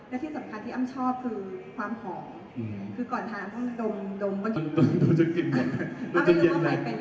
และที่สำคัญที่อ้ำชอบคือ